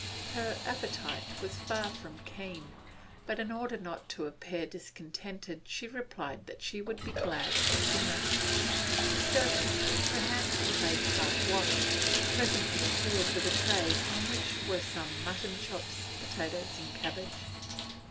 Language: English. Her appetite was far from keen, but in order not to appear discontented she replied that she would be glad of dinner. The servant, her hands and face half washed, presently appeared with a tray on which were some mutton chops, potatoes, and a cabbage.